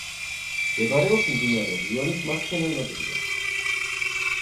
მდებარეობს მდინარე რიონის მარცხენა ნაპირზე.